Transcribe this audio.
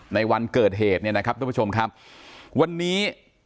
ในวันเกิดเหตุเนี่ยนะครับทุกผู้ชมครับวันนี้